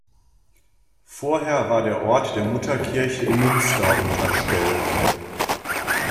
Vorher war der Ort der Mutterkirche in Münster unterstellt.